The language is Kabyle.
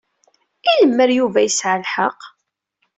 I lemmer Yuba yesɛa lḥeq?